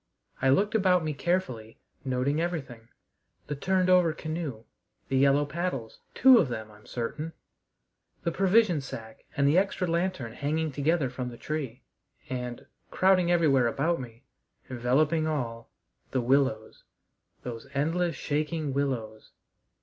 I looked about me carefully, noting everything: the turned over canoe; the yellow paddles two of them, I'm certain; the provision sack and the extra lantern hanging together from the tree; and, crowding everywhere about me, enveloping all, the willows, those endless, shaking willows.